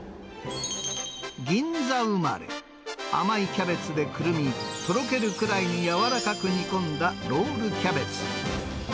銀座生まれ、甘いキャベツでくるみ、とろけるくらいにやわらかく煮込んだロールキャベツ。